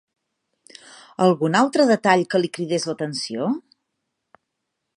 Algun altre detall que li cridés l'atenció?